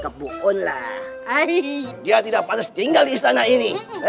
kita harus tinggal di istana ini